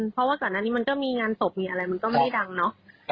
เพราะว่าก่อนหน้านี้มันก็มีงานศพมีอะไรมันก็ไม่ได้ดังเนาะ